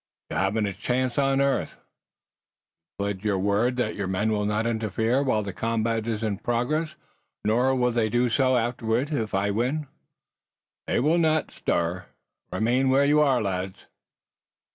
"You haven't a chance on earth." "You pledge your word that your men will not interfere while the combat is in progress, nor will they do so afterward, if I win." "They will not stir. Remain where you are, lads."